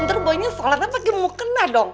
ntar boynya sholatnya pake mukena dong